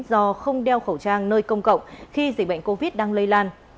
do không đeo khẩu trang nơi công cộng khi dịch bệnh covid đang lây lan